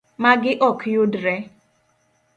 Magi ok yudre.